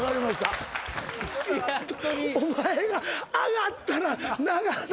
お前が上がったら長なる！